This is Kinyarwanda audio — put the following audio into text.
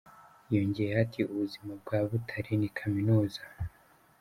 Yongeyeho ati: 'ubuzima bwa Butare ni kaminuza'.